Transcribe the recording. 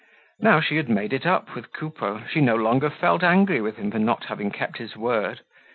Now she had made it up with Coupeau, she no longer felt angry with him for not having kept his word.